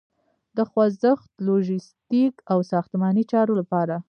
د خوځښت، لوژستیک او ساختماني چارو لپاره